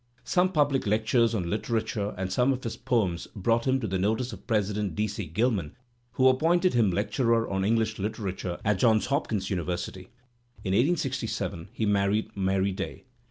Some public lectures on hterature and some of his poems brought him to the notice of President D. C. Gilman, who appointed him lecturer on English Literature at Johns Hopkins University. In 1867 he married Mary Day.